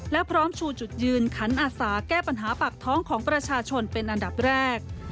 และพร้อมชูจุดยืนขันอาสาแก้ปัญหาปากท้องของประชาชนเป็นอันดับแรก